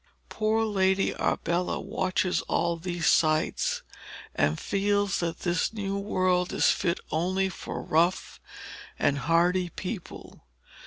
Poor Lady Arbella watches all these sights, and feels that this new world is fit only for rough and hardy people.